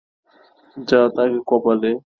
যা থাকে কপালে।